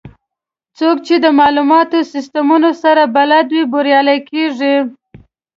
څوک چې د معلوماتي سیستمونو سره بلد وي، بریالي کېږي.